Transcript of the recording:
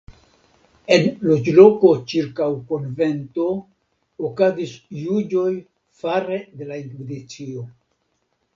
En loĝloko ĉirkaŭ konvento okazis juĝoj fare de la Inkvizicio.